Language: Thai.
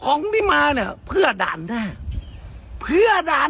ของที่มาเนี่ยเพื่อด่านหน้า